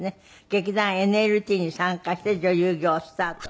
劇団ＮＬＴに参加して女優業をスタート。